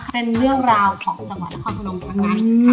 เป็นเรื่องราวของจังหวัดข้อพนมพักนั้นค่ะ